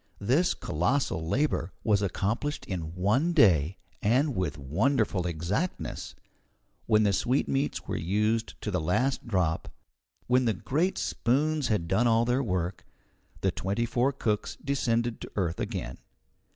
This colossal labour was accomplished in one day, and with wonderful exactness. When the sweetmeats were used to the last drop, when the great spoons had done all their work, the twenty four cooks descended to earth again.